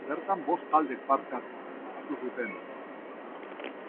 Bertan bost taldek hartu zuten parte.